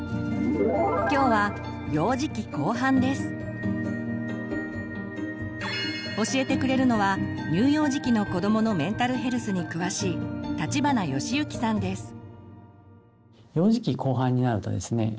今日は教えてくれるのは乳幼児期の子どものメンタルヘルスに詳しい幼児期後半になるとですね